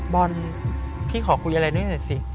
บอลพี่ขอคุยอะไรนิดหน่อยสิ